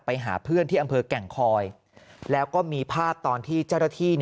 ไปหาเพื่อนที่อำเภอแก่งคอยแล้วก็มีภาพตอนที่เจ้าหน้าที่